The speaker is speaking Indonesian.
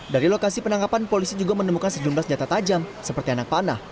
dari lokasi penangkapan polisi juga menemukan sejumlah senjata tajam seperti anak panah